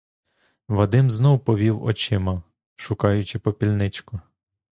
Вадим знов повів очима, шукаючи попільничку.